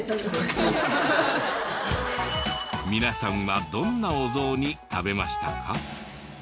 皆さんはどんなお雑煮食べましたか？